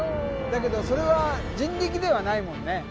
だけどそれは人力ではないもんね。